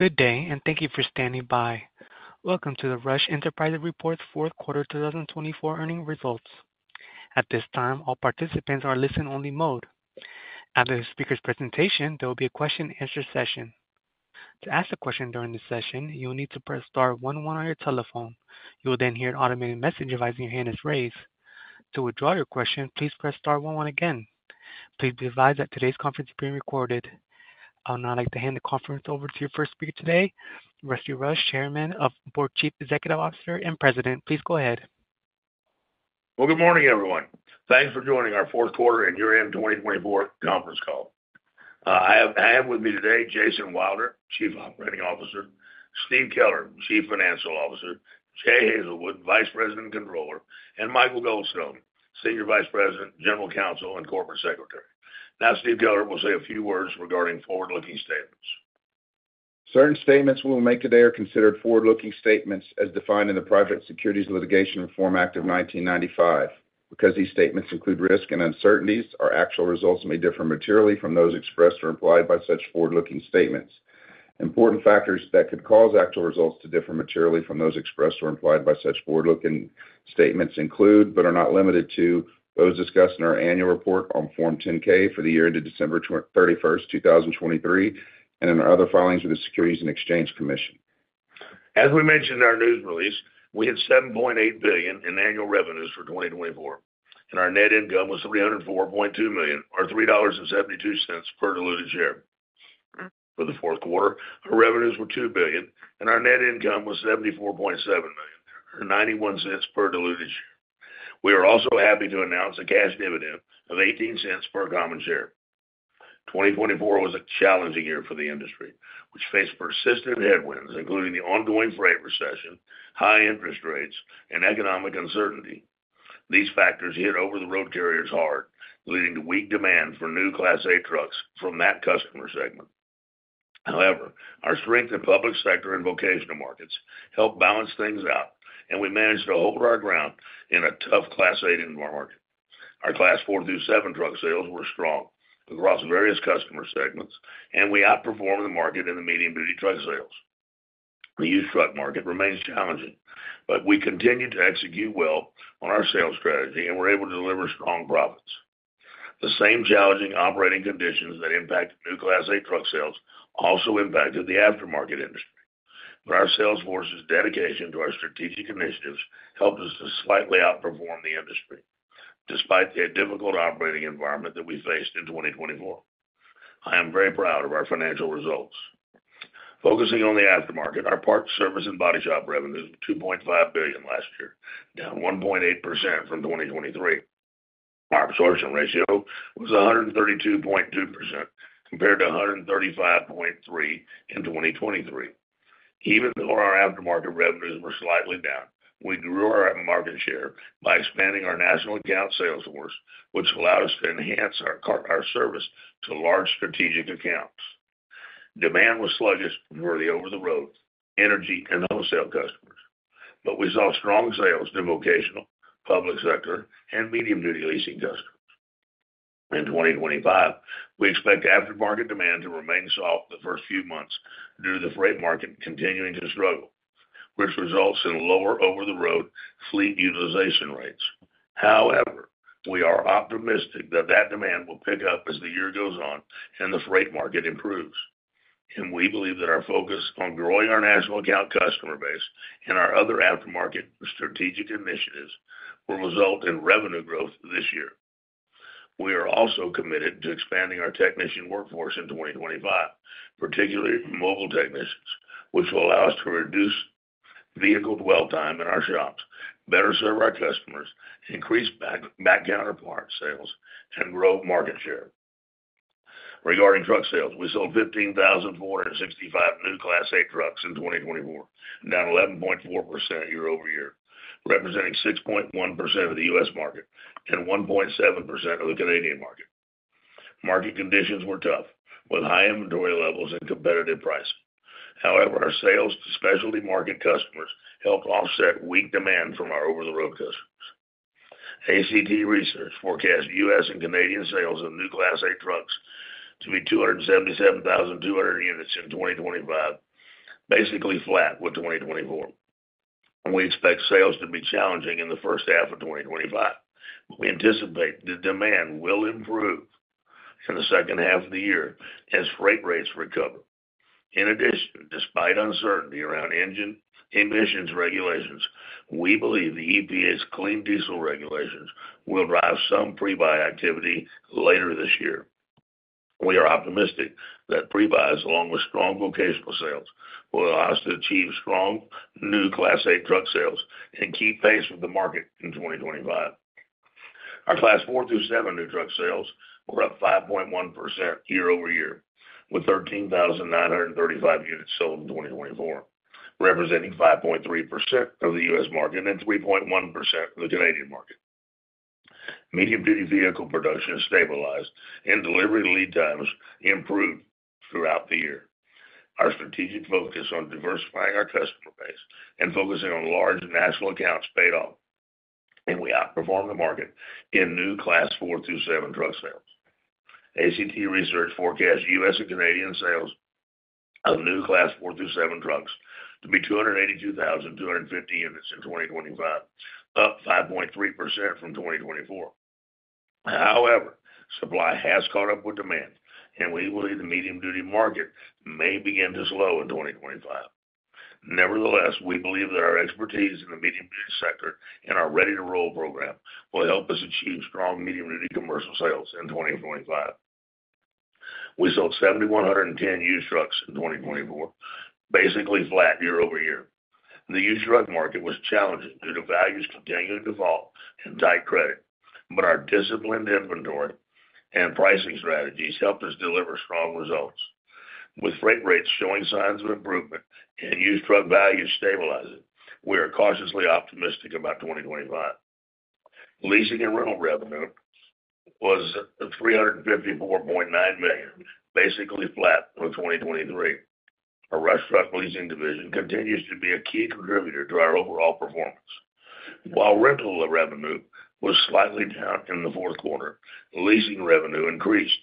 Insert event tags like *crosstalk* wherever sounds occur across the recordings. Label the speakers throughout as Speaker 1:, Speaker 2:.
Speaker 1: Good day and thank you for standing by. Welcome to the Rush Enterprises' Fourth Quarter 2024 Earnings Results. At this time all participants are in listen-only mode. After the speaker's presentation there will be a question and answer session. To ask a question during the session you will need to press star one one on your telephone. You will then hear an automated message advising that your hand is raised. To withdraw your question, please press star one one again. Please be advised that today's conference is being recorded. Now, I'd like to hand the conference over to your first speaker today, Rusty Rush, Chairman of the Board, Chief Executive Officer, and President. Please go ahead.
Speaker 2: Well, good morning everyone. Thanks for joining our fourth quarter and year end 2024 conference call. I have with me today Jason Wilder, Chief Operating Officer, Steve Keller, Chief Financial Officer, Jay Hazelwood, Vice President Controller, and Michael Goldstone, Senior Vice President, General Counsel, and Corporate Secretary. Now Steve Keller will say a few words regarding forward looking statements.
Speaker 3: Certain statements we will make today are considered forward-looking statements as defined in the Private Securities Litigation Reform Act of 1995. Because these statements include risks and uncertainties, our actual results may differ materially from those expressed or implied by such forward-looking statements. Important factors that could cause actual results to differ materially from those expressed or implied by such forward-looking statements include, but are not limited to, those discussed in our annual report on Form 10-K for the year ended December 31, 2023 and in our other filings with the Securities and Exchange Commission.
Speaker 2: As we mentioned in our news release, we had $7.8 billion in annual revenues for 2024 and our net income was $304.2 million or $3.72 per diluted share. For the fourth quarter our revenues were $2 billion and our net income was $74.7 million or $0.91 per diluted share. We are also happy to announce a cash dividend of $0.18 per common share. 2024 was a challenging year for the industry which faced persistent headwinds including the ongoing freight recession, high interest rates and economic uncertainty. These factors hit over-the-road carriers hard leading to weak demand for new Class 8 trucks from that customer segment. However, our strength in public sector and vocational markets helped balance things out and we managed to hold our ground in a tough Class 8 aftermarket. Our Class 4 through 7 truck sales were strong across various customer segments and we outperformed the market in the medium duty truck sales. The used truck market remains challenging, but we continue to execute well on our sales strategy and were able to deliver strong profits. The same challenging operating conditions that impacted new Class 8 truck sales also impacted the aftermarket industry, but our sales force's dedication to our strategic initiatives helped us to slightly outperform the industry despite the difficult operating environment that we faced in 2024. I am very proud of our financial results focusing on the aftermarket. Our parts, service and body shop revenues were $2.5 billion last year, down 1.8% from 2023. Our absorption ratio was 132.2% compared to 135.3% in 2023. Even though our aftermarket revenues were slightly down, we grew our market share by expanding our national account sales force, which allowed us to enhance our service to large strategic accounts. Demand was sluggish for the over-the-road energy and wholesale customers, but we saw strong sales to vocational public sector and medium-duty leasing customers. In 2025, we expect aftermarket demand to remain soft the first few months due to the freight market continuing to struggle, which results in lower over-the-road fleet utilization rates. However, we are optimistic that demand will pick up as the year goes on and the freight market improves and we believe that our focus on growing our national account customer base and our other aftermarket strategic initiatives will result in revenue growth this year. We are also committed to expanding our technician workforce in 2025, particularly mobile technicians, which will allow us to reduce vehicle dwell time in our shops, better serve our customers, increase back counter sales and grow market share. Regarding truck sales, we sold 15,465 new Class 8 trucks in 2024, down 11.4% year over year, representing 6.1% of the U.S. market and 1.7% of the Canadian market. Market conditions were tough with high inventory levels and competitive price. However, our sales to specialty market customers helped offset weak demand from our over-the-road customers. ACT Research forecast U.S. and Canadian sales of new Class 8 trucks to be 277,200 units in 2025, basically flat with 2024, and we expect sales to be challenging in the first half of 2025. We anticipate the demand will improve in the second half of the year as freight rates recover. In addition, despite uncertainty around engine emissions regulations, we believe the EPA's clean diesel regulations will drive some pre-buy activity later this year. We are optimistic that pre-buys along with strong vocational sales will allow us to achieve strong new Class 8 truck sales and keep pace with the market in 2025. Our Class 4 through 7 new truck sales were up 5.1% year over year with 13,935 units sold in 2024, representing 5.3% of the U.S. market and 3.1% in the Canadian market. Medium duty vehicle production stabilized and delivery lead times improved throughout the year. Our strategic focus on diversifying our customer base and focusing on large national accounts paid off and we outperformed the market in new Class 4 through 7 truck sales. ACT Research forecasts U.S. and Canadian sales of new Class 4 through 7 trucks to be 282,250 units in 2025, up 5.3% from 2024. However, supply has caught up with demand and we believe the medium duty market may begin to slow in 2025. Nevertheless, we believe that our expertise in the medium duty sector and our Ready-to-Roll program will help us achieve strong medium duty commercial sales in 2025. We sold 7,110 used trucks in 2024, basically flat year-over-year. The used truck market was challenging due to values continuing to fall and tight credit, but our disciplined inventory and pricing strategies helped us deliver strong results. With freight rates showing signs of improvement and used truck value stabilizing, we are cautiously optimistic about 2025. Leasing and rental revenue was $354.9 million, basically flat for 2023. Our Rush Truck Leasing division continues to be a key contributor to our overall performance. While rental revenue was slightly down in the fourth quarter, leasing revenue increased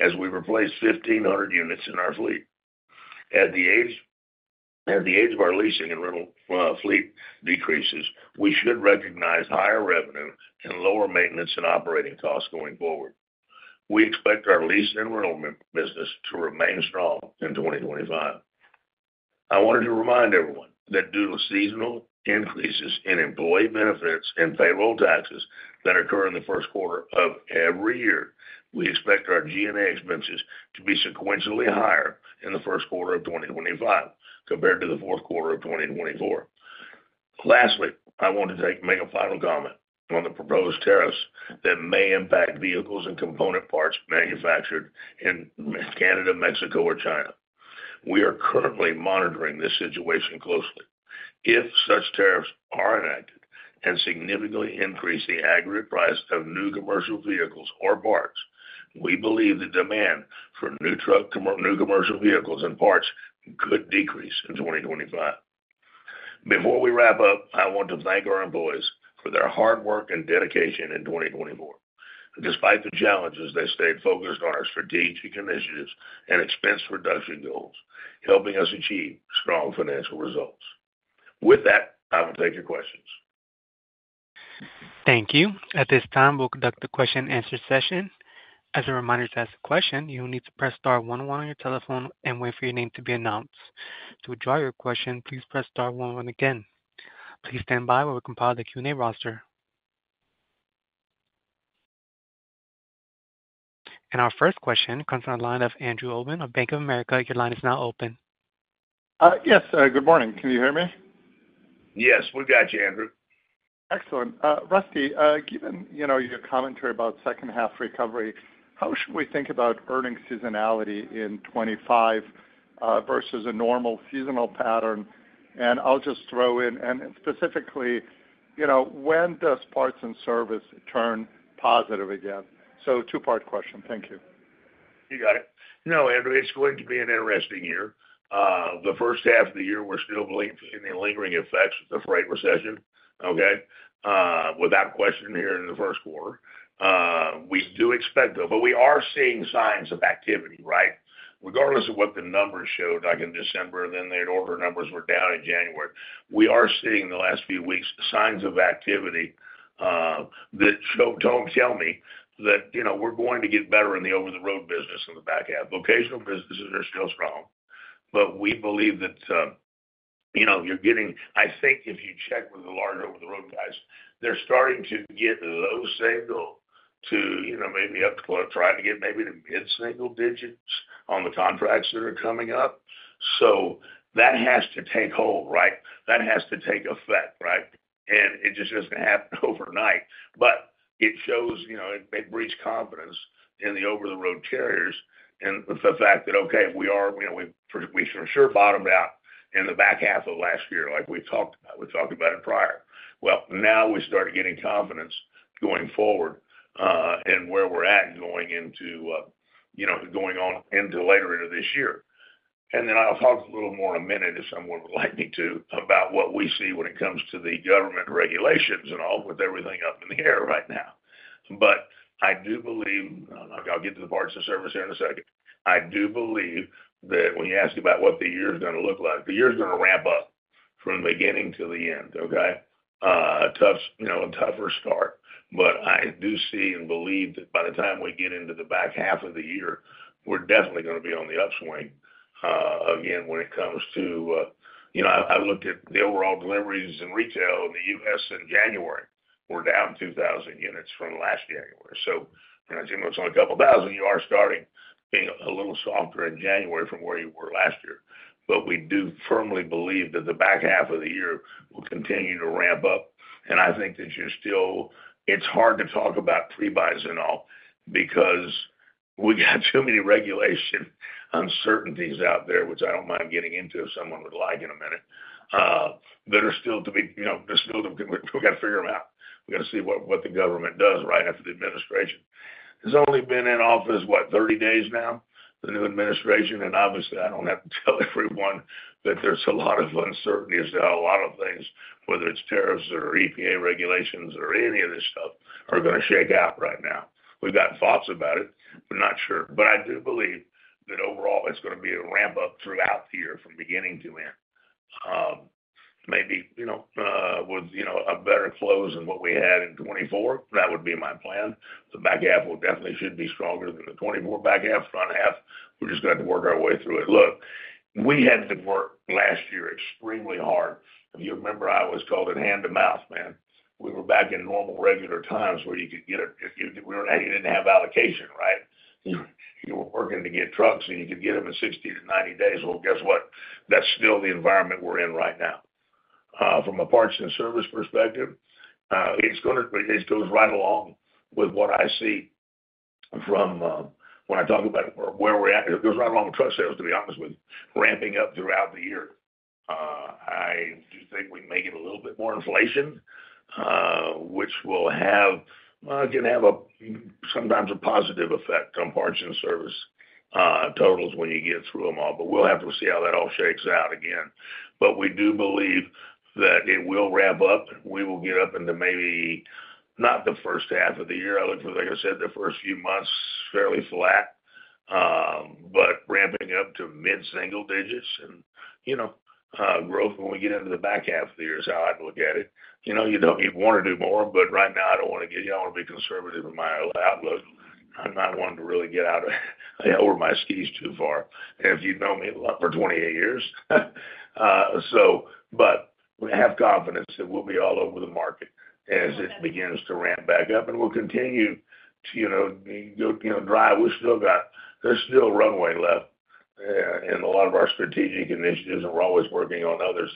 Speaker 2: as we replaced 1,500 units in our fleet. As the age of our leasing and rental fleet decreases, we should recognize higher revenue and lower maintenance and operating costs. Going forward, we expect our lease and rental business to remain strong in 2025. I wanted to remind everyone that due to seasonal increases in employee benefits and payroll taxes that occur in the first quarter of every year, we expect our G&A expenses to be sequentially higher in the first quarter of 2025 compared to the fourth quarter of 2024. Lastly, I want to make a final comment on the proposed tariffs that may impact vehicles and component parts manufactured in Canada, Mexico, or China. We are currently monitoring this situation closely. If such tariffs are enacted and significantly increase the aggregate price of new commercial vehicles or parts, we believe the demand for new truck, new commercial vehicles and parts could decrease in 2025. Before we wrap up, I want to thank our employees for their hard work and dedication in 2024. Despite the challenges, they stayed focused on our strategic initiatives and expense reduction goals, helping us achieve strong financial results. With that, I will take your questions.
Speaker 1: Thank you. At this time, we'll conduct the question and answer session. As a reminder, to ask a question you will need to press star 11 on your telephone and wait for your name to be announced. To withdraw your question, please press star one one again. Please stand by while we compile the Q-and-A roster. And our first question comes from the line of Andrew Obin of Bank of America. Your line is now open.
Speaker 4: Yes, good morning, can you hear me?
Speaker 2: Yes, we've got you, Andrew.
Speaker 4: Excellent. Rusty, given your commentary about second half recovery, how should we think about earnings seasonality in 2025 vs. a normal seasonal pattern? And I'll just throw in specifically when does parts and service turn positive again? So two-part question, thank you.
Speaker 2: You got it. No, Andrew, it's going to be an interesting year, the first half of the year. We're still in the lingering effects of the freight recession. Okay, without question, here in the first quarter we do expect, though, but we are seeing signs of activity, right. Regardless of what the numbers showed like in December, then the order numbers were down in January. We are seeing the last few weeks signs of activity that show. Don't tell me that, you know, we're going to get better in the over-the-road business in the back half. Vocational businesses are still strong but we believe that, you know, you're getting, I think if you check with the large over-the-road guys, they're starting to get low single to you know, maybe up close trying to get maybe the mid single digits on the contracts that are coming up. So that has to take hold, right? That has to take effect. Right? And it just doesn't happen overnight, but it shows, you know, it breeds confidence in the over-the-road carriers and the fact that, okay, we are, you know, we for sure bottomed out in the back half of last year like we talked about, we talked about it prior. Well, now we start getting confidence going forward and where we're at going into, you know, going on into later into this year. And then I'll talk a little more in a minute if someone would like me to about what we see when it comes to the government regulations and all that's up in the air right now. But I do believe I'll get to the parts and service here in a second. I do believe that when you ask about what the year is going to look like, the year is going to ramp up from the beginning to the end. Okay, tough, you know, a tougher start. But I do see and believe that by the time we get into the back half of the year we're definitely going to be on the upswing again when it comes to, you know, I looked at the overall deliveries in retail in the U.S. in January were down 2,000 units from last January. So it's only a couple thousand. You are starting being a little softer in January from where you were last year. But we do firmly believe that the back half of the year will continue to ramp up. And I think that you're still - it's hard to talk about pre-buys and all because we got too many regulation uncertainties out there which I don't mind getting into if someone would like in a minute that are still to be, you know, we've got to figure them out. We got to see what the government does right after the administration has only been in office what, 30 days now, the new administration. And obviously I don't have to tell everyone that there's a lot of uncertainty as to how a lot of things, whether it's tariffs or EPA regulations or any of this stuff are going to shake out. Right now we've got thoughts about it. We're not sure. But I do believe that overall it's going to be a ramp up throughout the year from beginning to end. Maybe, you know, with, you know, a better close than what we had in 2024. That would be my plan. The back half will definitely should be stronger than the 2024 back half front half. We're just going to have to work our way through it. Look, we had to work last year extremely hard, if you remember. I always called it hand to mouth, man. We were back in normal regular times where you could get. You didn't have allocation, right. You were working to get trucks and you could get them in 60-90 days. Well, guess what? That's still the environment we're in right now from a parts and service perspective. It's going to. It goes right along with what I see from when I talk about where we're at. It goes right along with truck sales, to be honest, with ramping up throughout the year. I do think we may get a little bit more inflation which will have, can have a, sometimes a positive effect on parts and service totals when you get through them all, but we'll have to see how that all shakes out again. We do believe that it will ramp up. We will get up into maybe not the first half of the year. I look for, like I said, the first few months fairly flat, but ramping up to mid single digits and you know, growth when we get into the back half of the year is how I look at it. You know, you don't even want to do more. Right now I don't want to get you. I want to be conservative in my outlook. I'm not one to really get out over my skis too far if you've known me for 28 years. We have confidence that we'll be all over the market as it begins to ramp back up and we'll continue to drive. We've still got; there's still runway left in a lot of our strategic initiatives and we're always working on others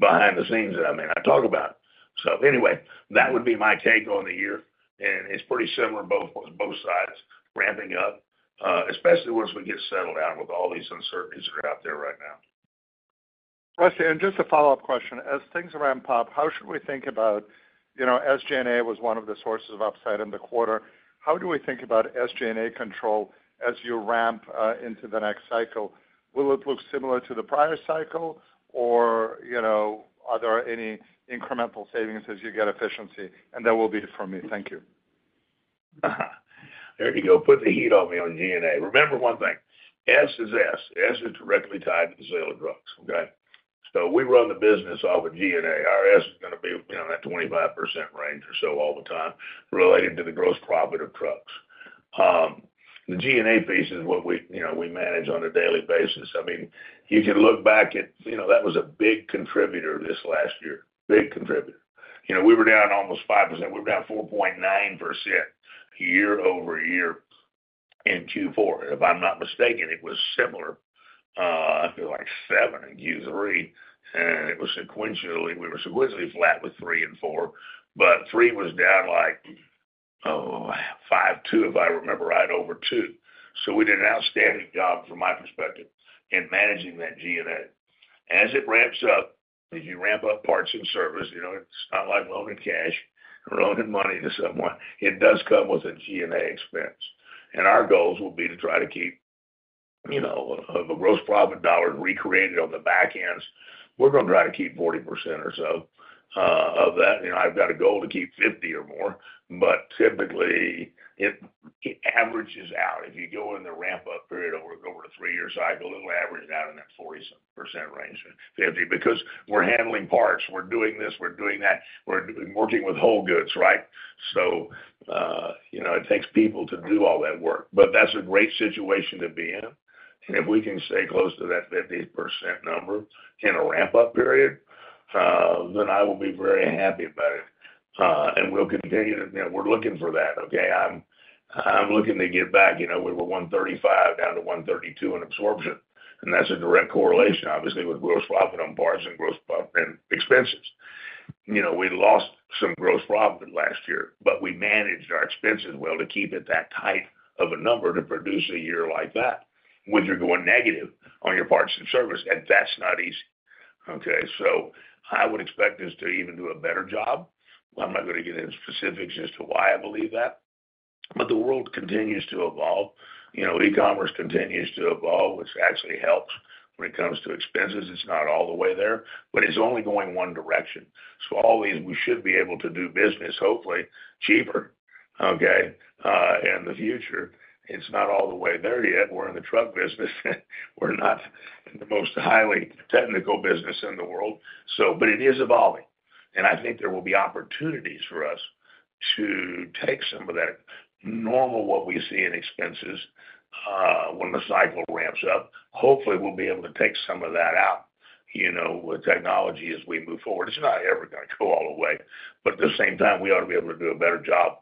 Speaker 2: behind the scenes that I may not talk about. So anyway, that would be my take on the year. It's pretty similar, both sides ramping up, especially once we get settled down with all these uncertainties that are out there right now.
Speaker 4: Rusty, and just a follow-up question. As things ramp up, how should we think about, you know, SG&A was one of the sources of upside in the quarter. How do we think about SG&A control as you ramp into the next cycle? Will it look similar to the prior cycle or are there any incremental savings as you get efficiency. And that will be it for me. Thank you.
Speaker 2: There you go. Put the heat on me on SG&A. Remember one thing, S is S. S is directly tied to the sale of trucks. Okay? So we run the business off of G&A. Our S is going to be in that 25% range or so all the time related to the gross profit of trucks. The G&A piece is what we, you know, we manage on a daily basis. I mean, you can look back at, you know, that was a big contributor this last year, big contributor. You know, we were down almost 5%. We were down 4.9% year-over-year in Q4, if I'm not mistaken. It was similar like 7% in Q3 and it was sequentially, we were sequentially flat with 3 and 4, but 3 was down like, oh, 5.2% if I remember right, over 2. So we did an outstanding job from my perspective in managing that G&A as it ramps up as you ramp up parts and service. You know, it's not like loaning cash, loan money to someone. It does come with a G&A expense. And our goals will be to try to keep, you know, gross profit dollars recaptured on the back end. We're going to try to keep 40% or so of that. You know, I've got a goal to keep 50% or more, but typically it averages out. If you go in the ramp up period over the three-year cycle, it'll average out in that 40-something percent range to 50% because we're handling parts, we're doing this, we're doing that, we're working with whole goods. Right. So, you know, it takes people to do all that work. But that's a great situation to be in. And if we can stay close to that 50% number in a ramp up period, then I will be very happy about it and we'll continue to. We're looking for that. Okay. I'm looking to get back, you know, we were 135 down to 132 in absorption. And that's a direct correlation obviously with gross profit on parts and gross profit and expenses. You know, we lost some gross profit last year, but we managed our expenses well to keep it that tight of a number to produce a year like that when you're going negative on your parts and service. And that's not easy. Okay. So I would expect us to even do a better job. I'm not going to get into specifics as to why I believe that. But the world continues to evolve, you know, e-commerce continues to evolve, which actually helps when it comes to expenses. It's not all the way there, but it's only going one direction. So all these, we should be able to do business hopefully cheaper. Okay. In the future. It's not all the way there yet. We're in the truck business. We're not the most highly technical business in the world, but it is evolving and I think there will be opportunities for us to take some of that normal what we see in expenses when the cycle ramps up. Hopefully we'll be able to take some of that out. You know, with technology, as we move forward, it's not ever going to go all the way. But at the same time we ought to be able to do a better job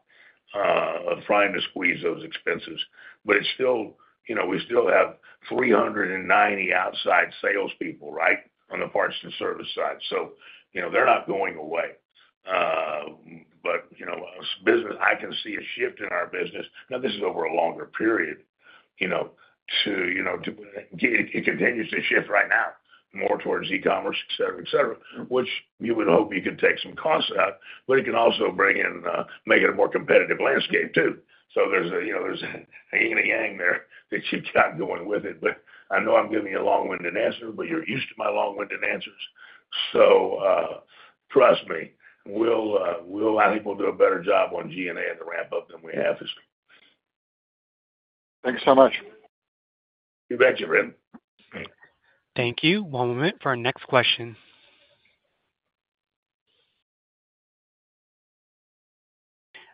Speaker 2: of trying to squeeze those expenses. But it's still, you know, we still have 390 outside salespeople, right? On the parts and service side. So, you know, they're not going away. But you know, business, I can see a shift in our business now. This is over a longer period, you know, you know, it continues to shift right now more towards e-commerce, et cetera, et cetera, which you would hope you could take some costs out, but it can also bring in, make it a more competitive landscape too. So there's a, you know, there's yin and a yang there that you got going with it. But I know I'm giving you a long-winded answer, but you're used to my long-winded answers, so trust me, we'll. I think we'll do a better job on G&A and the ramp up than we have.
Speaker 4: Thank you so much.
Speaker 2: You bet, you bet.
Speaker 1: Thank you. One moment for our next question.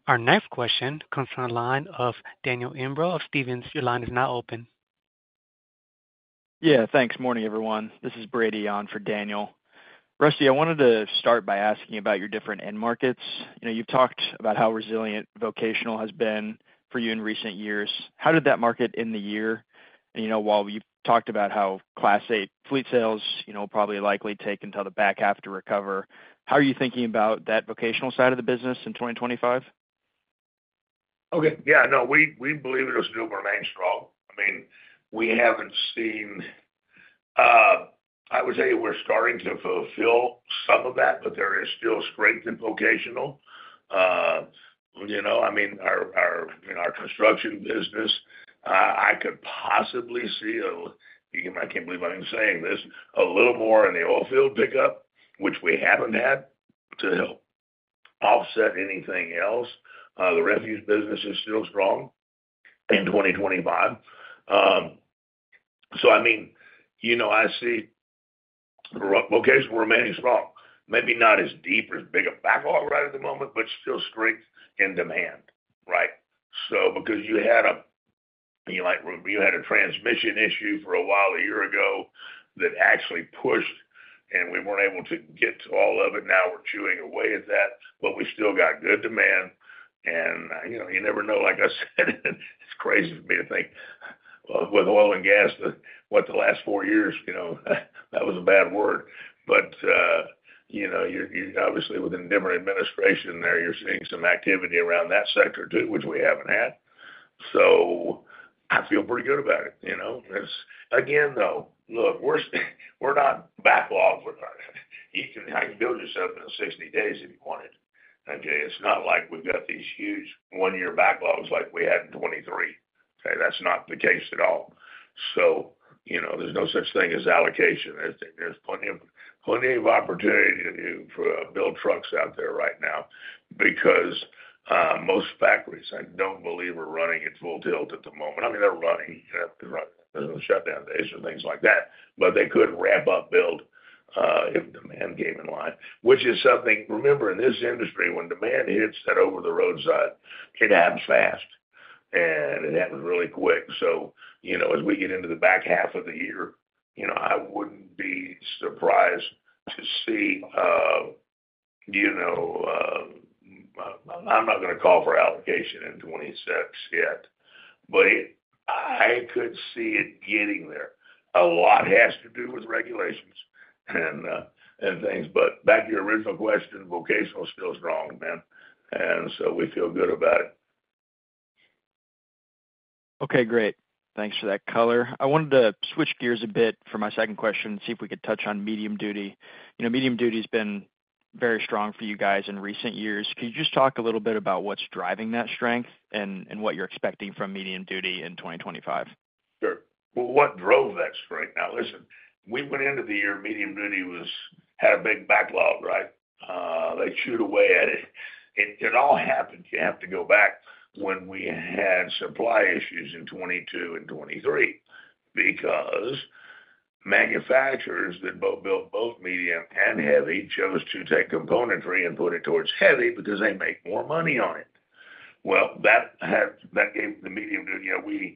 Speaker 1: Our next question comes from the line of Daniel Imbro of Stephens. Your line is now open. Yeah, thanks. Morning everyone. This is Brady on for Daniel. Rusty, I wanted to start by asking about your different end markets. You've talked about how resilient vocational has been for you in recent years. How did that market in the year, you know, while you talked about how Class 8 fleet sales, you know, probably likely take until the back half to recover. How are you thinking about that vocational side of the business in 2025?
Speaker 2: Okay, yeah, no, we believe it'll still remain strong. I mean, we haven't seen. I would say we're starting to fulfill some of that, but there is still strength in vocational. You know, I mean our construction business, I could possibly see, I can't believe I'm saying this a little more in the oil field pickup, which we haven't had to help offset anything else. The refuse business is still strong in 2025. So I mean, you know, I see locations remaining strong, maybe not as deep or as big a backlog right at the moment, but still strong demand. Right? So because you had a, you might remember you had a transmission issue for a while a year ago that actually pushed and we weren't able to get to all of it. Now we're chewing away at that, but we still got good demand and you know, you never know. Like I said, it's crazy for me to think with oil and gas, what, the last four years, you know, that was a bad word. But you know, obviously with a different administration there you're seeing some activity around that sector too, which we haven't had. So I feel pretty good about it. You know, again though, look, we're not backlogged with- you- I can build yourself in 60 days if you wanted. Okay. It's not like we've got these huge one-year backlogs like we had in 2023. Okay. That's not the case at all. So, you know, there's no such thing as allocation. There's plenty of, plenty of opportunity for build trucks out there right now because most factories I don't believe are running at full tilt at the moment. I mean they're running shut down days and things like that, but they could ramp up build if demand came in line, which is something. Remember in this industry when demand hits that over-the-road side, it happens fast and it happens really quick. So, you know, as we get into the back half of the year, you know, I wouldn't be surprised to see, you know, I'm not going to call for allocation in 2026 yet but I could see it getting there. A lot has to do with regulations and things. But back to your original question, vocational is still strong, man, and so we feel good about it. Okay, great. Thanks for that color. I wanted to switch gears a bit for my second question. See if we could touch on medium duty. You know medium duty has been very strong for you guys in recent years. Can you just talk a little bit about what's driving that strength and what you're expecting from medium duty in 2025? Sure. Well, what drove that strength? Now listen, we, put end of the year medium duty was - had a big backlog. Right? They chewed away at all happened. You have to go back when we had supply issues in 2022-2023 because manufacturers that both built both medium and heavy chose to take componentry and put it towards heavy because they make more money on it. Well, that had that gave the medium duty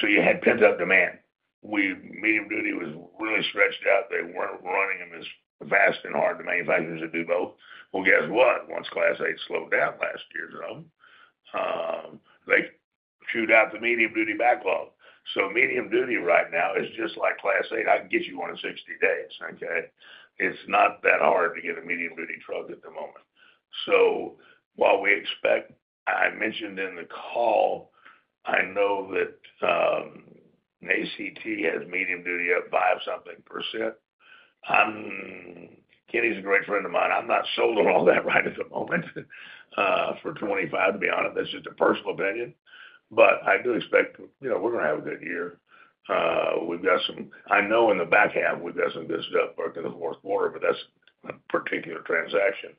Speaker 2: so you had pent up demand. Medium duty was really stretched out. They weren't running them as fast and hard to manufacturers that do both. Well, guess what? Once Class 8 slowed down last year, you know, like they chewed out the medium duty backlog. So medium duty right now is just like Class 8. I can get you one in 60 days. Okay? It's not that hard to get a medium duty truck at the moment. So while we expect, I mentioned in the call, I know that ACT has medium duty of five-something percent. Kenny's a great friend of mine. I'm not sold on all that right at the moment for 2025 to be honest. That's just a personal opinion, but I do expect, you know, we're going to have a good year. We've got some. I know in the back half we've got some good stuff back in the fourth quarter, but that's a particular transaction,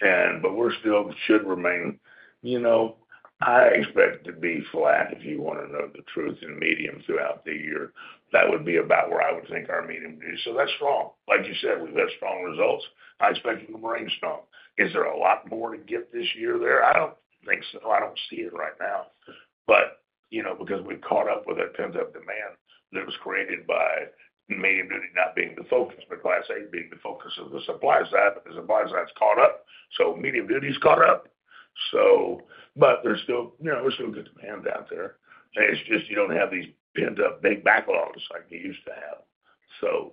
Speaker 2: and but we're still should remain, you know. I expect to be flat. If you want to know the truth in medium-duty throughout the year, that would be about where I would think our medium-duty, so that's strong. Like you said, we've had strong results I expect from rainstorm. Is there a lot more to get this year there? I don't think. I don't see it right now, but you know, because we've caught up with that pent-up demand that was created by medium duty not being the focus but Class 8 being the focus of the supply side. But the supply side's caught up so medium duty's caught up. So. But there's still, you know, there's a little demand out there. It's just you don't have these pent-up big backlogs like you used to have. So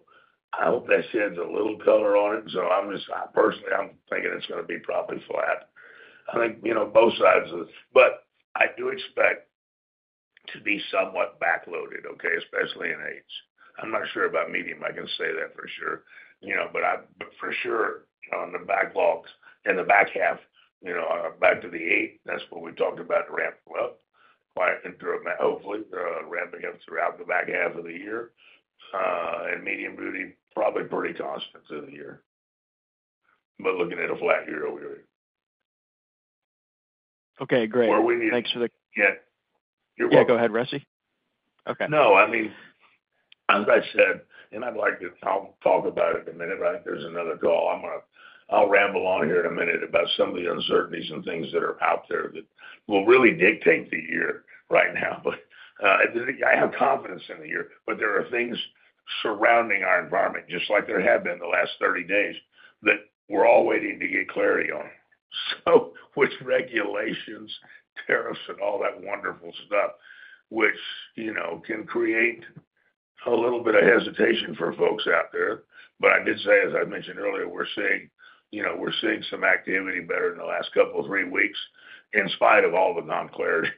Speaker 2: I hope that sheds a little color on it. So I'm just, personally I'm thinking it's going to be probably flat, I think, you know, both sides. But I do expect to be somewhat backloaded. Okay? Especially in 8. I'm not sure about medium. I can say that for sure, you know, but I for sure on the backlog in the back half, you know, back to the eight, that's what we talked about. Ramp up, quiet, hopefully ramping up throughout the back half of the year and medium duty probably pretty cautious for the year, but looking at a flat year-over-year. Okay, great. Thanks for the- Yeah, you're welcome. Go ahead, Rusty. Okay. No, I mean, as I said and I'd like to. I'll talk about it in a minute. Right. There's another call. I'm gonna, I'll ramble on here in a minute about some of the uncertainties and things that are out there that will really dictate the year right now. But I have confidence in the year. But there are things surrounding our environment just like there have been the last 30 days that we're all waiting to get clarity on. So which regulations, tariffs and all that wonderful stuff which you know, can create a little bit of hesitation for folks out there. But I did say, as I mentioned earlier, we're seeing, you know, we're seeing some activity better in the last couple, three weeks in spite of all the non clarity.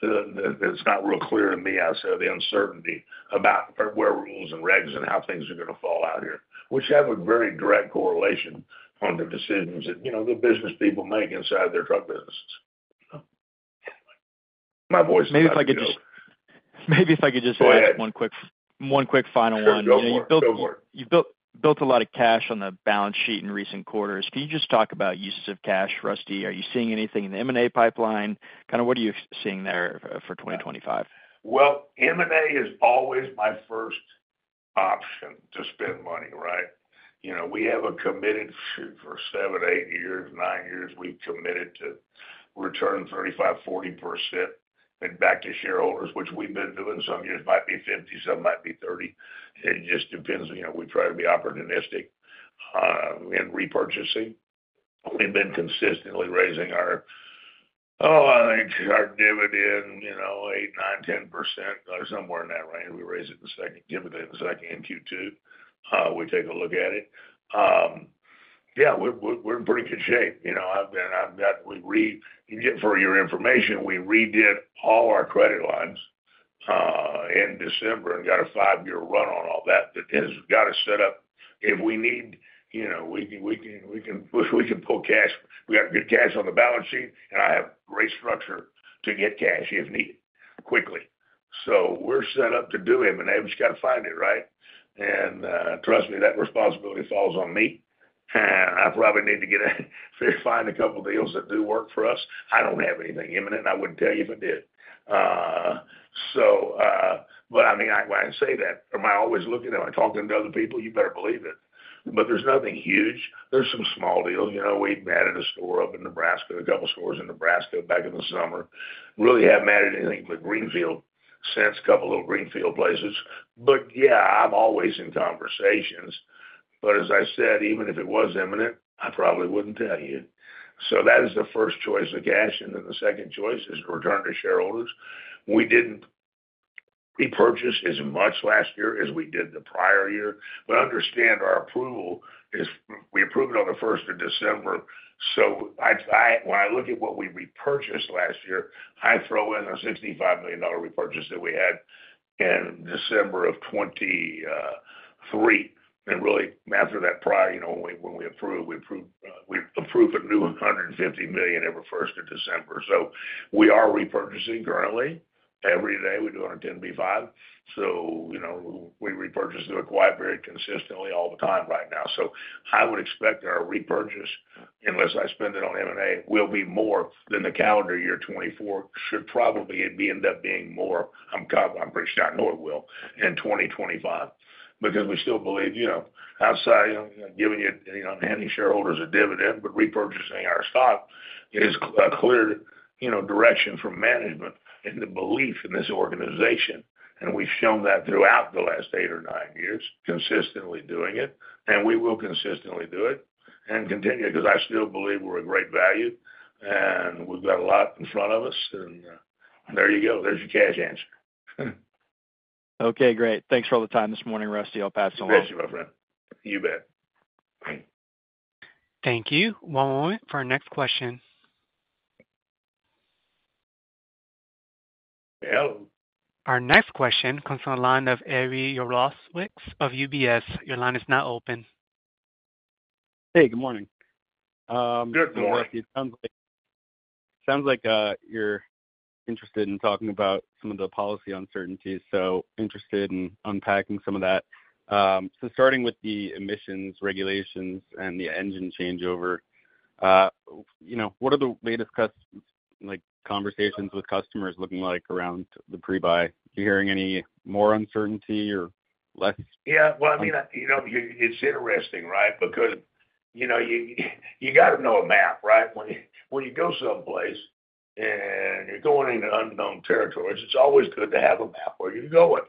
Speaker 2: It's not real clear to me. I said the uncertainty about emission rules and regs and how things are going to fall out here, which have a very direct correlation on the decisions that the business people make inside their truck businesses. My voice. *crosstalk* Maybe if I could just ask- Go ahead. One quick final one. You've built a lot of cash on the balance sheet in recent quarters. Can you just talk about uses of cash? Rusty, are you seeing anything in the M&A pipeline? Kind of. What are you seeing there for 2025? M&A is always my first option to spend money. Right? You know, we have committed for seven, eight years, nine years. We've committed to return 35%, 40% back to shareholders, which we've been doing. Some years might be 50%, some might be 30%. It just depends. You know, we try to be opportunistic in repurchasing. We've been consistently raising our, oh I think our dividend, you know, 8%, 9%, 10% or somewhere in that range. We raise it in second - dividend in the second, in Q2, we take a look at it. Yeah, we're in pretty good shape. You know, for your information, we redid all our credit lines in December and got a five-year run on all that. That has got us set up. If we need, you know, we can pull cash. We got good cash on the balance sheet and I have great infrastructure to get cash if needed quickly. So we're set up to do M&A. We've got to find it, right. And trust me, that responsibility falls on me. And I probably need to find a couple deals that do work for us. I don't have anything imminent and I wouldn't tell you if I did. But I mean, I say that, am I always looking, am I talking to other people? You better believe it. But there's nothing huge. There's some small deals. You know, we added a store up in Nebraska, a couple stores in Nebraska back in the summer. Really haven't added anything but greenfield since a couple little greenfield places. But yeah, I'm always in conversations. But as I said, even if it was imminent, I probably wouldn't tell you. So that is the first choice of cash and then the second choice is to return to shareholders. We didn't repurchase as much last year as we did the prior year. But understand our approval is we approved it on the 1st of December. So when I look at what we repurchased last year, I throw in a $65 million repurchase that we had in December of 2023. Really after that prior, you know, when we approved, we approved a new $150 million every 1st of December. So we are repurchasing currently every day we do a 10b-5. So you know, we repurchase, do it quite very consistently all the time right now. So I would expect our repurchase, unless I spend it on M&A, will be more than the calendar year 2024. It should probably end up being more. I'm pretty sure I know it will in 2025 because we still believe, you know, outside giving you any shareholders a dividend, but repurchasing our stock, it is a clear, you know, direction from management and the belief in this organization. And we've shown that throughout the last eight or nine years consistently doing it. And we will consistently do it and continue because I still believe we're a great value and we've got a lot in front of us. And there you go, there's your cash answer. Okay, great. Thanks for all the time this morning, Rusty. I'll pass it on. You bet.
Speaker 1: Thank you. One moment for our next question.
Speaker 2: Well?
Speaker 1: Our next question comes from the line of Avi Jaroslawicz of UBS. Your line is now open.
Speaker 5: Hey, good morning.
Speaker 2: Good morning.
Speaker 5: Sounds like you're interested in talking about some of the policy uncertainties. So interested in unpacking some of that. So starting with the emissions regulations and the engine changeover, you know, what are the latest, like, conversations with customers looking like around the pre-buy? You hearing any more uncertainty or less?
Speaker 2: Yeah, well, I mean, you know, it's interesting, right, because, you know, you got to know a map, right? When you go someplace and you're going into unknown territories, it's always good to have a map where you're going.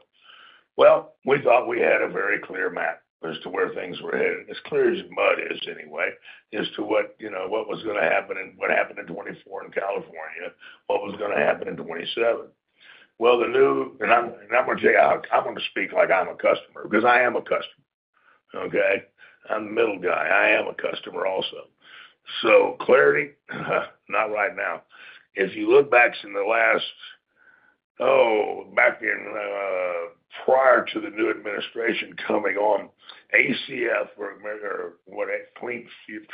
Speaker 2: We thought we had a very clear map as to where things were headed. As clear as mud is anyway, as to what, you know, what was going to happen and what happened in 2024 in California, what was going to happen in 2027. The new and I'm not going to take out. I'm going to speak like I'm a customer because I am a customer. Okay? I'm the middle guy. I am a customer also. So clarity. Not right now. If you look back in the last, oh, back prior to the new administration coming on, ACF or what, Clean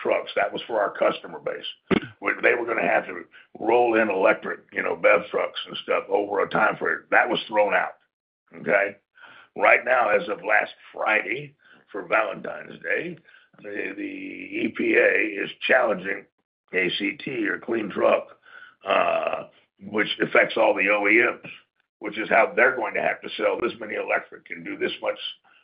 Speaker 2: Trucks, that was for our customer base where they were going to have to roll in electric, you know, BEV trucks and stuff over a time period that was thrown out. Okay. Right now as of last Friday for Valentine's Day, the EPA is challenging ACT or Clean Truck, which affects all the OEMs, which is how they're going to have to sell this many electric and do this much.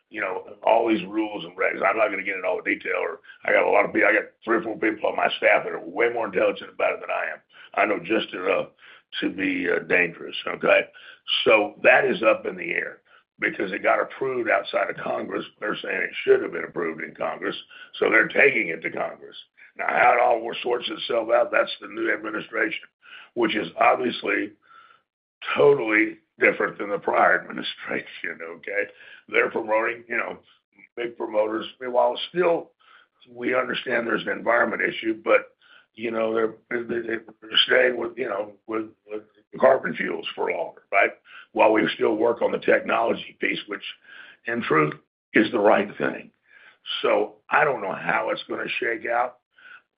Speaker 2: You know, all these rules and regs. I'm not going to get into all the detail or I got a lot of people, I got three or four people on my staff that are way more intelligent about it than I am. I know just enough to be dangerous. Okay? So that is up in the air because it got approved outside of Congress. They're saying it should have been approved in Congress, so they're taking it to Congress. Now, how it all sorts itself out, that's the new administration, which is obviously totally different than the prior administration, okay? They're promoting, you know, big promoters. Meanwhile, still, we understand there's an environmental issue, but, you know, they're staying with, you know, with carbon fuels for longer. Right? While we still work on the technology piece, which in truth is the right thing, so I don't know how it's going to shake out.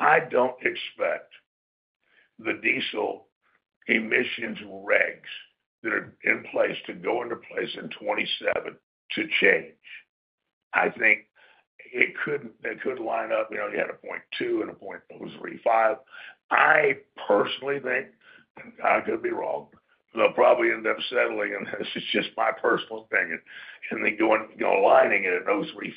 Speaker 2: I don't expect the diesel emissions regs that are in place to go into place in 2027 to change. I think it could, it could line up. You know, you had a 0.2 and a 0.35. I personally think I could be wrong. They'll probably end up settling, and this is just my personal opinion, and then going, you know, lining it at 0.35.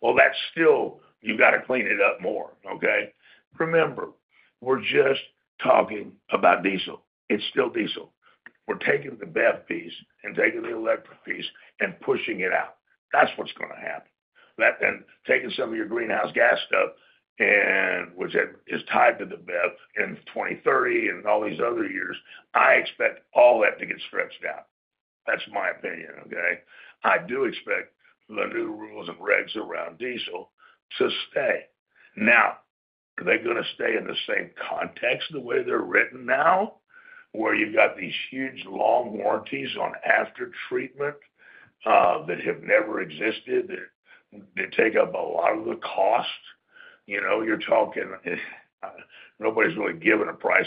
Speaker 2: Well, that's still. You got to clean it up more. Okay, remember, we're just talking about diesel. It's still diesel. We're taking the BEV piece and taking the electric piece and pushing it out. That's what's going to happen. And taking some of your greenhouse gas stuff and which is tied to the BEV in 2030 and all these other years, I expect all that to get stretched out. That's my opinion. Okay. I do expect the new rules and regs around diesel to stay. Now, are they going to stay in the same context the way they're written now where you've got these huge long warranties on aftertreatment that have never existed? They take up a lot of the cost. You know, you're talking. Nobody's really given a price.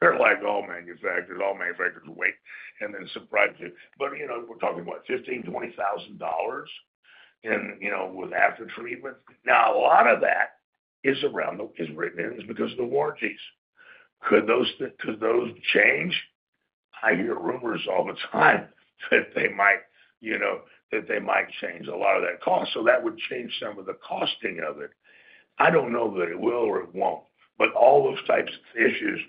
Speaker 2: They're like all manufactured, all manufacturers wait and then surprise you. But, you know, we're talking about $15,000, $20,000. And you know, with aftertreatment now, a lot of that is around is written in because of the warranties. Could those, could those change? I hear rumors all the time that they might, you know, that they might change a lot of that cost. So that would change some of the costing of it. I don't know that it will or it won't. But all those types of issues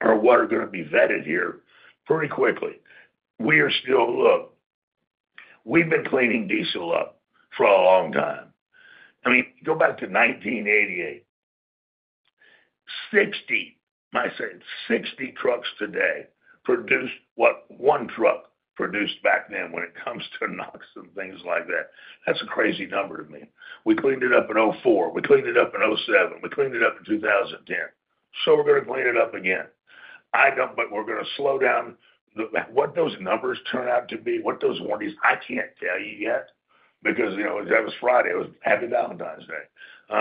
Speaker 2: are what are going to be vetted here pretty quickly. We are still. Look, we've been cleaning diesel up for a long time. I mean, go back to 1988. 60, 60 trucks today produce, what, one truck produced back then when it comes to NOx and things like that, that's a crazy number to me. We cleaned it up in 2004. We cleaned it up in 2007. We cleaned it up in 2010. So we're going to clean it up again. I don't. But we're going to slow down. What those numbers turn out to be, what those warranties, I can't tell you yet because, you know, that was Friday. It was Happy Valentine's Day.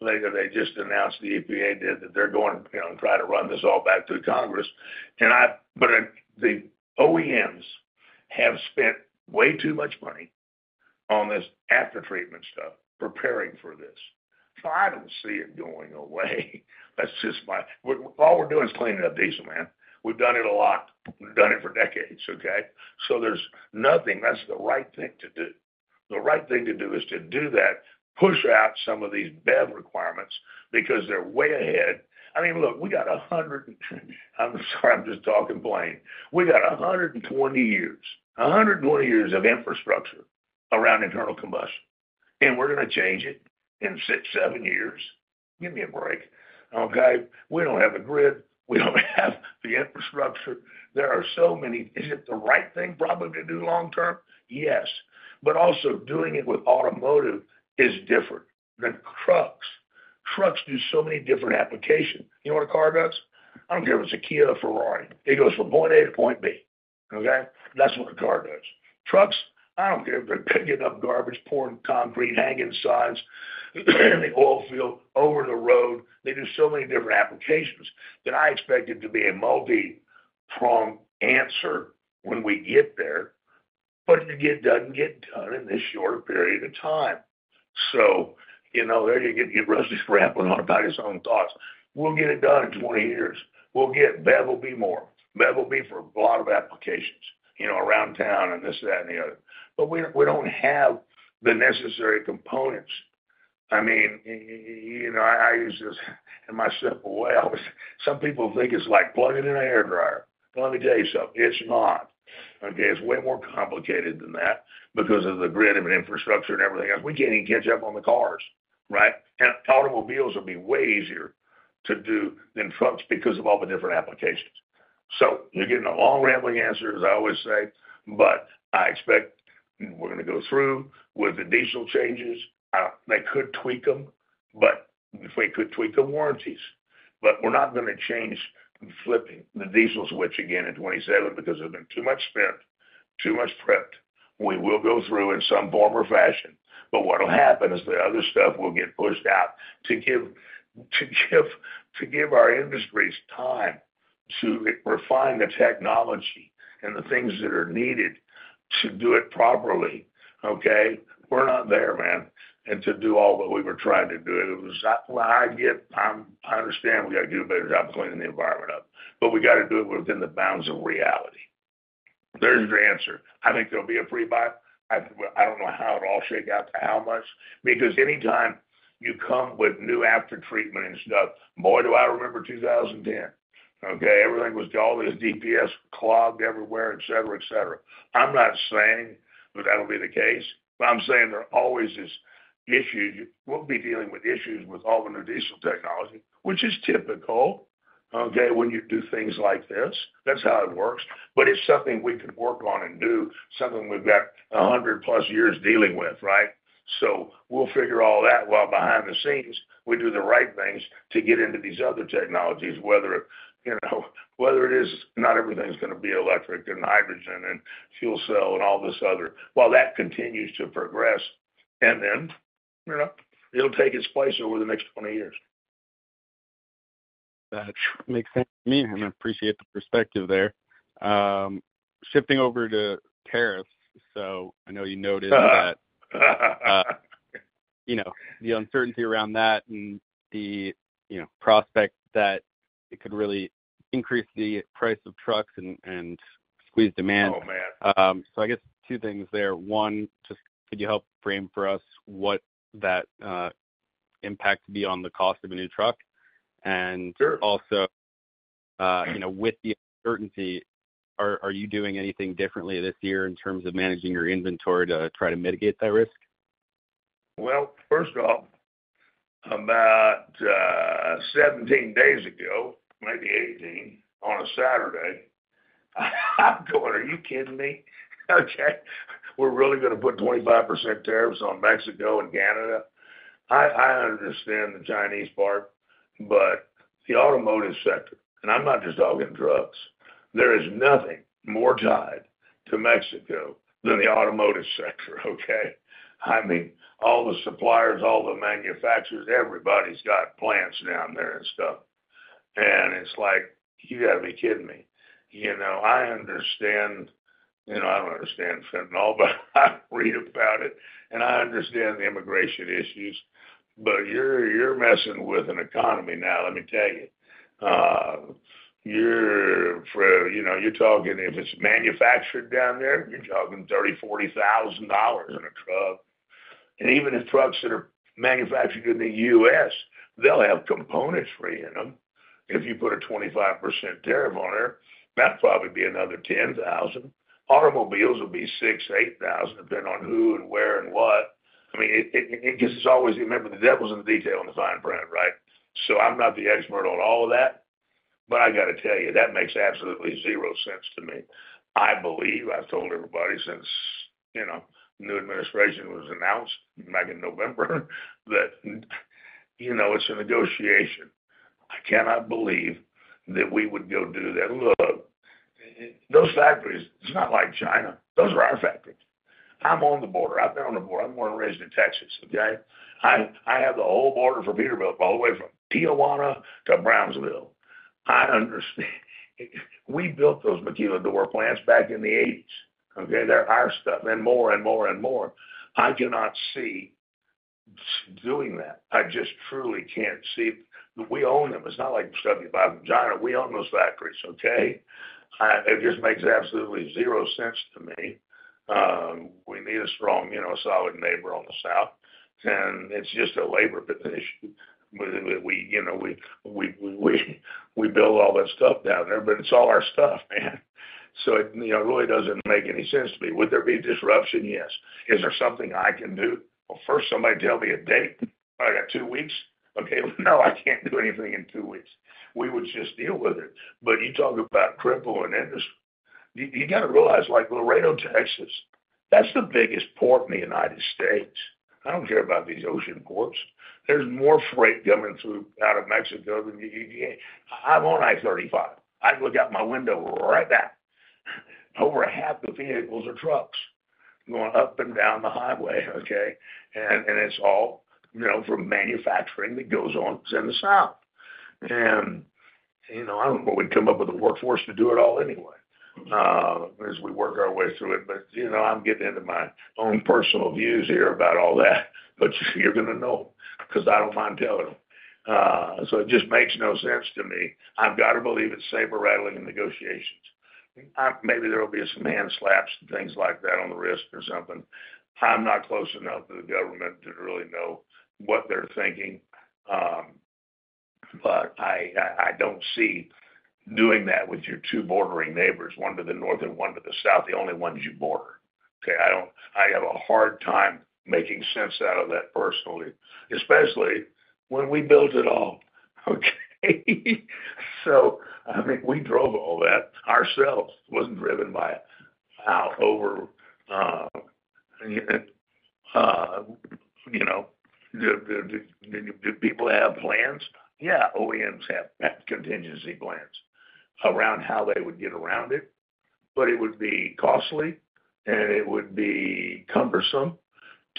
Speaker 2: They just announced, the EPA that they're going to try to run this all back through Congress. And I - but the OEMs have spent way too much money on this aftertreatment stuff, preparing for this. I don't see it going away. That's just my. All we're doing is cleaning up diesel, man. We've done it a lot, done it for decades. Okay? So there's nothing - that's the right thing to do. The right thing to do is to do that, push out some of these BEV requirements because they're way ahead. I mean, look, we got a hundred. I'm sorry, I'm just talking plain. We got 120 years. 120 years of infrastructure around internal combustion and we're going to change it in six, seven years. Give me a break. Okay, we don't have a grid. We don't have the infrastructure. There are so many. Is it the right thing probably to do long term? Yes. But also doing it with automotive is different than trucks. Trucks do so many different applications. You know what a car does? I don't care if it's a Kia, Ferrari. It goes from point A to point B. Okay? That's what a car does. Trucks, I don't care if they're picking up garbage, pouring concrete, hanging signs in the oil field over-the-road. They do so many different applications that I expect it to be a multi-prong answer when we get there. But it doesn't get done in this short period of time. So, you know, there you get Rusty's grappling on about his own thoughts. We'll get it done in 20 years. We'll get- BEV will be more. BEV will be for a lot of applications, you know, around town and this, that and the other. But we don't have the necessary components. I mean, you know, I use this in my simple way. Some people think it's like plugging in a hairdryer. Let me tell you something, it's not okay. It's way more complicated than that. Because of the grid of an infrastructure and everything else, we can't even catch up on the cars. Right? And automobiles will be way easier to do than trucks because of all the different applications. So you're getting a long rambling answer, as I always say. But I expect we're going to go through with the diesel changes. They could tweak them, but we could tweak the warranties. But we're not going to change flipping the diesel switch again in 2027 because there's been too much spent, too much prepped. We will go through in some form or fashion. But what will happen is the other stuff will get pushed out to give. To give our industries time to refine the technology and the things that are needed to do it properly. Okay? We're not there, man. And to do all that we were trying to do. I understand we got to do a better job cleaning the environment up, but we got to do it within the bounds of reality. There's the answer. I think there'll be a pre-buy. I don't know how it all shake out to how much, because anytime you come with new aftertreatment and stuff, boy do I remember 2010, okay? Everything was all this DPF, clogged everywhere, et cetera, et cetera. I'm not saying that that'll be the case, but I'm saying there always is issues. We'll be dealing with issues with all the new diesel technology, which is typical. Okay. When you do things like this, that's how it works. But it's something we could work on and do something we've got 100-plus years dealing with. Right? So we'll figure all that while behind the scenes we do the right things to get into these other technologies. You know, whether it is or not, everything's going to be electric and hydrogen and fuel cell and all this other, while that continues to progress and then, you know, it'll take its place over the next 20 years.
Speaker 5: That makes sense to me and I appreciate the perspective there, shifting over to tariffs. So I know you noticed that-
Speaker 2: *audio distortion*
Speaker 5: You know, the uncertainty around that and, you know, the prospect that it could really increase the price of trucks and squeeze demand. So I guess two things there, one, just, could you help frame for us what that impact be on the cost of a new truck and also, you know, with the certainty, are you doing anything differently this year in terms of managing your inventory to try to mitigate that risk?
Speaker 2: First off, about 17 days ago, maybe 18 on a Saturday, I'm going, are you kidding me? Okay, we're really going to put 25% tariffs on Mexico and Canada. I understand the Chinese part, but the automotive sector, and I'm not just talking trucks, there is nothing more tied to Mexico than the automotive sector, okay? I mean, all the suppliers, all the manufacturers, everybody's got plants down there and stuff. It's like, you gotta be kidding me. You know, I understand, you know, I don't understand fentanyl, but I read about it and I understand immigration issues, but you're messing with an economy now. Let me tell you. You know, you're talking, if it's manufactured down there, you're talking $30,000, $40,000 in a truck. And even if trucks that are manufactured in the U.S. they'll have components from in them. If you put a 25% tariff on there, that'd probably be another $10,000. Automobiles will be $6,000, $8,000, depending on who and where and what. I mean, it's always, remember, the devil's in the details in the fine print, right? So I'm not the expert on all of that, but I gotta tell you, that makes absolutely zero sense to me. I believe I've told everybody since, you know, new administration was announced back in November that, you know, it's a negotiation. I cannot believe that we would go do that. Look, those factories, it's not like China. Those are our factories. I'm on the border. I've been on the border. I'm born and raised in Texas, okay? I have the whole border for Peterbilt, all the way from Tijuana to Brownsville. I understand we built those maquiladora plants back in the 1980s, okay? They're our stuff. And more and more and more, I do not see doing that. I just truly can't see. We own them. It's not like stuff you buy from China. We own those factories, okay? It just makes absolutely zero sense to me. We need a strong, you know, solid neighbor on the south. And it's just a labor. We build all that stuff down there, but it's all our stuff, man. So it really doesn't make any sense to me. Would there be disruption? Yes. Is there something I can do? Well, first, somebody tell me a date. I got two weeks, okay? No, I can't do anything in two weeks. We would just deal with it. But you talk about crippling industry. You got to realize, like Laredo, Texas, that's the biggest port in the United States. I don't care about these ocean ports. There's more freight coming through out of Mexico than I'm on I-35. I look out my window right now. Over half the vehicles are trucks going up and down the highway, okay, and it's all, you know, from manufacturing that goes on in the south. You know, I don't know, but we'd come up with a workforce to do it all anyway as we work our way through it. You know, I'm getting into my own personal views here about all that. You're going to know, because I don't mind telling them so. It just makes no sense to me. I've got to believe it's saber rattling in negotiations. Maybe there will be some hand slaps and things like that on the wrist or something. I'm not close enough to the government to really know what they're thinking. But I don't see doing that with your two bordering neighbors. One to the north and one to the south. The only ones you border. Okay? I don't - I have a hard time making sense out of that personally, especially when we built it all. Okay? So I mean we drove all that ourselves. Wasn't driven by over, you know, did people have plans? Yeah, OEMs have contingency plans around how they would get around it. But it would be costly and it would be cumbersome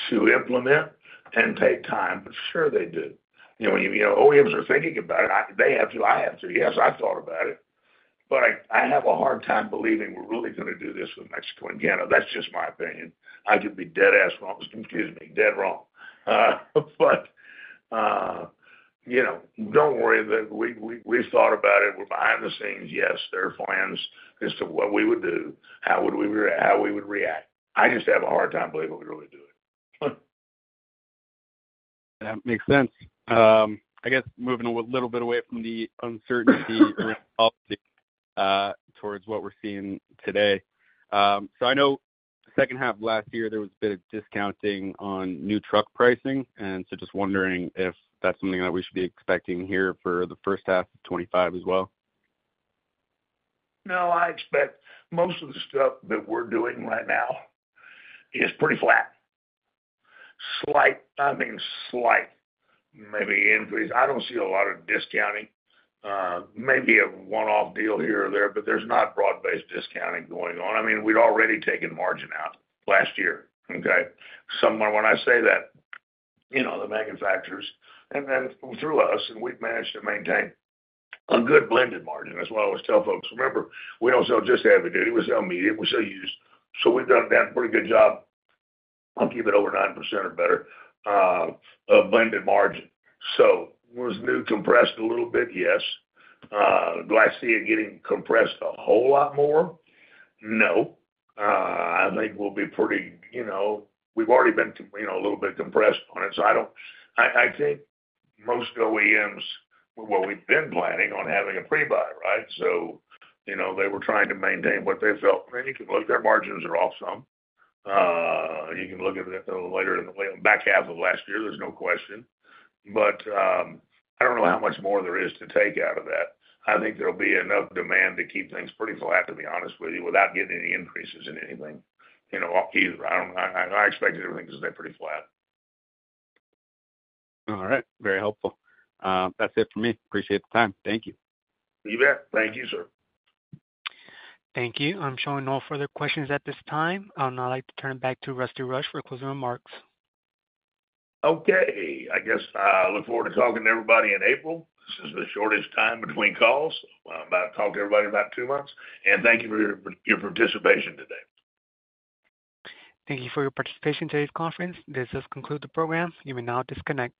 Speaker 2: to implement and take time. But sure they do. You know, OEMs are thinking about it. They have to. I have to. Yes, I thought about it. But I have a hard time believing we're really going to do this with Mexico and Canada. That's just my opinion. I could be dead ass wrong, excuse me, dead wrong. But, you know, don't worry, we've thought about it. We're behind the scenes. Yes. There are plans as to what we would do, how we would react. I just have a hard time believing we're going to do it.
Speaker 5: That makes sense. I guess moving a little bit away from the uncertainty up towards what we're seeing today. So I know second half last year there was a bit of discounting on new truck pricing and so just wondering if that's something that we should be expecting here for first half of 2025 as well?
Speaker 2: No, I expect most of the stuff that we're doing right now is pretty flat. Slight timing, slightly maybe increase. I don't see a lot of discounting, maybe a one-off deal here or there but there's not broad-based discounting going on. I mean we'd already taken margin out last year. Okay. Somewhere when I say that, you know, the manufacturers and through us and we've managed to maintain a good blended margin. That's why I always tell folks, remember we don't sell just heavy-duty, we sell medium, we sell used. So we've done that pretty good job. Keep it over 9% or better blended margin. So was new compressed a little bit? Yes. Do I see it getting compressed a whole lot more? No, I think we'll be pretty, you know, we've already been, you know, a little bit compressed on it. So, I don't. I think most OEMs. Well, we've been planning on having a pre-buy. Right. So you know, they were trying to maintain what they felt. Their margins are awesome. You can look at it later in the back half of last year. There's no question. But I don't know how much more there is to take out of that. I think there'll be enough demand to keep things pretty flat, to be honest with you, without getting any increases in anything. You know, either. I don't. I expected everything to stay pretty flat.
Speaker 5: All right. Very helpful. That's it for me. Appreciate the time. Thank you.
Speaker 2: You bet. Thank you, sir.
Speaker 1: Thank you. I'm showing no further questions at this time. I would now like to turn it back to Rusty Rush for closing remarks.
Speaker 2: Okay. I guess I look forward to talking to everybody in April. This is the shortest time between calls. I'm about to talk to everybody in about two months. And thank you for your participation today.
Speaker 1: Thank you for your participation in today's conference. This does conclude the program. You may now disconnect.